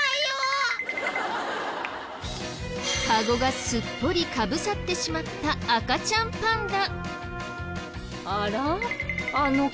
カゴがすっぽりかぶさってしまった赤ちゃんパンダ。